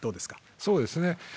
そうですね。